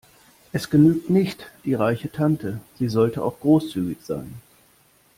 Es genügt nicht die reiche Tante, sie sollte auch großzügig sein.